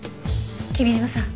君嶋さん